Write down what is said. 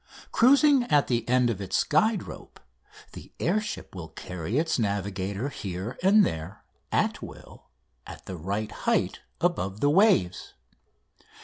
Cruising at the end of its guide rope, the air ship will carry its navigator here and there at will at the right height above the waves.